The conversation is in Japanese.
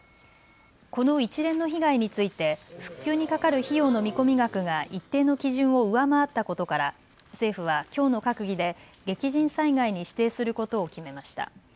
この一連の被害について復旧にかかる費用の見込み額が一定の基準を上回ったことから政府はきょうの閣議で激甚災害に指定することを決めました。